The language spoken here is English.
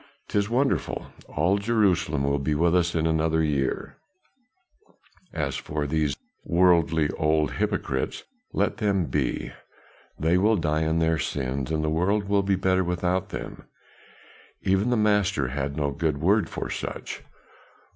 'Tis wonderful; all Jerusalem will be with us in another year; as for these worldly old hypocrites, let them be; they will die in their sins and the world will be better without them. Even the Master had no good word for such.